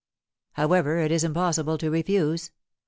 However, it is impossible to refuse.